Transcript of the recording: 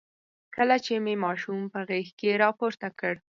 کله چې مې ماشوم په غېږ کې راپورته کړ.